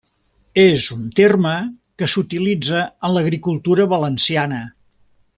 És un terme que s'utilitza en l'agricultura valenciana.